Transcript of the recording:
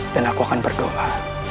dan aku akan berdoa